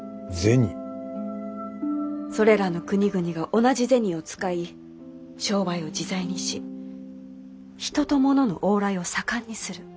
それらの国々が同じ銭を使い商売を自在にし人と物の往来を盛んにする。